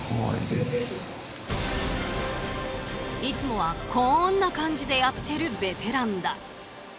いつもはこんな感じでやってるベテランだ。